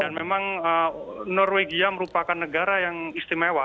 memang norwegia merupakan negara yang istimewa